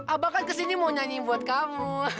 abang kan kesini mau nyanyiin buat kamu